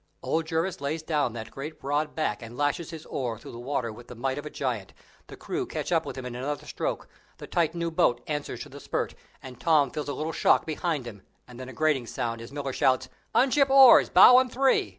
Old Jervis lays down that great broad back and lashes his oar through the water with the might of a giant, the crew catch him up in another stroke, the tight new boat answers to the spurt, and Tom feels a little shock behind him, and then a grating sound, as Miller shouts, "Unship oars, Bow and Three!"